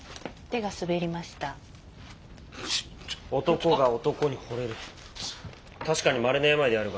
男が男にほれる。